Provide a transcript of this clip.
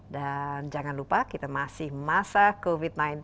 dan jangan lupa kita masih masa covid sembilan belas